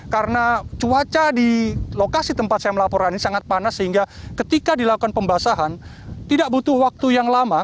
karena cuaca di lokasi tempat saya melaporkan ini sangat panas sehingga ketika dilakukan pembasahan tidak butuh waktu yang lama